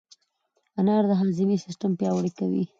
انار د هاضمې سیستم پیاوړی کوي.